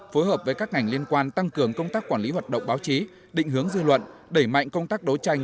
phối hợp với các ngành liên quan tăng cường công tác quản lý hoạt động báo chí định hướng dư luận đẩy mạnh công tác đấu tranh